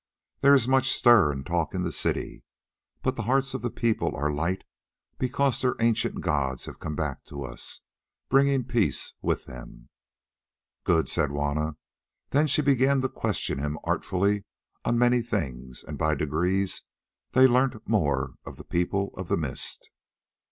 There is much stir and talk in the city, but the hearts of the people are light because their ancient gods have come back to us, bringing peace with them." "Good," said Juanna. Then she began to question him artfully on many things, and by degrees they learnt more of the People of the Mist.